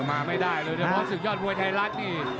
ไม่ได้เลยแต่เพราะสุขยอดบวยไทรัศน์นี่